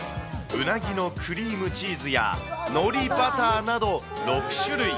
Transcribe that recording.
ウナギのクリームチーズや、海苔バターなど、６種類。